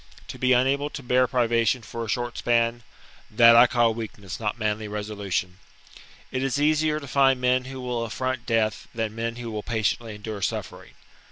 To be unable to bear privation for a short span, — that I call weak ness, not manly resolution. It is easier to find men who will affront death than men who will patiently endure suffering.